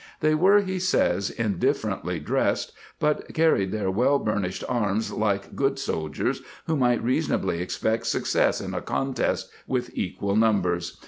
They were, he says, indifferently dressed, but carried their well burnished arms like good soldiers who might reasonably expect success in a contest with equal numbers.